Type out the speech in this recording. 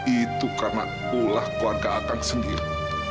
itu karena pula keluarga akang sendiri